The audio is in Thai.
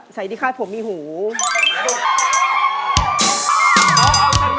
เพื่อจะไปชิงรางวัลเงินล้าน